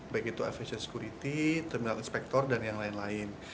baik itu eficial security terminal inspektor dan yang lain lain